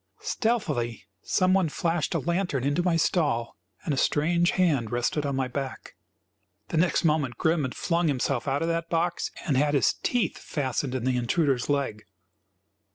Stealthily some one flashed a lantern into my stall and a strange hand rested on my back. The next moment Grim had flung himself out of that box and had his teeth fastened in the intruder's leg.